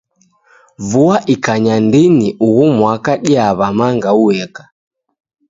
Vua ikanya ndini ughu mwaka diaw'a manga ueka.